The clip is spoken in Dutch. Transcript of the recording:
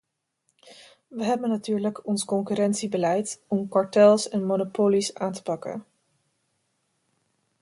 We hebben natuurlijk ons concurrentiebeleid om kartels en monopolies aan te pakken.